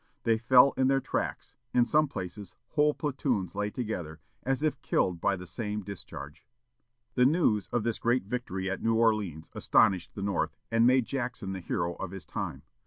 They fell in their tracks; in some places, whole platoons lay together, as if killed by the same discharge." The news of this great victory at New Orleans astonished the North, and made Jackson the hero of his time.